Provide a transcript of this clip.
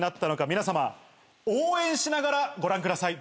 皆様応援しながらご覧ください